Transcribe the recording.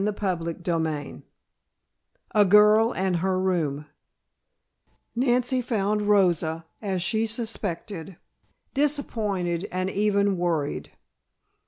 CHAPTER XXII A GIRL AND HER ROOM Nancy found Rosa, as she suspected, disappointed and even worried.